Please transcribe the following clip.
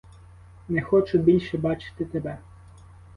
Не хочу більше бачити тебе!